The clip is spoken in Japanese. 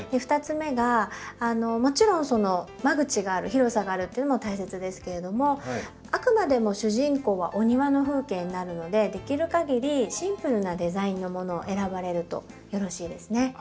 ２つ目がもちろん間口がある広さがあるっていうのも大切ですけれどもあくまでも主人公はお庭の風景になるのでできる限りシンプルなデザインのものを選ばれるとよろしいですね。